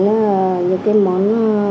nhiều cái món